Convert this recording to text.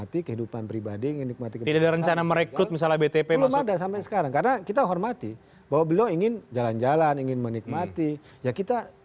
terima kasih banyak